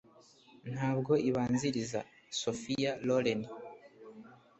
ntabwo ibanziriza - sophia loren